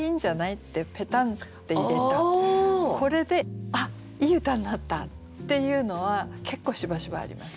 これであっいい歌になった！っていうのは結構しばしばあります。